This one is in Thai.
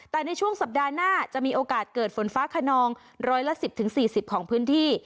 แต่ในช่วงสัปดาห์หน้าจะมีโอกาสเกิดฝนฟ้าขนองร้อยละ๑๐๔๐ของพื้นที่